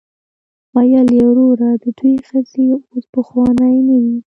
ویل یې وروره د دوی ښځې اوس پخوانۍ نه دي.